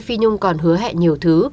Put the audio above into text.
phi nhung còn hứa hẹn nhiều thứ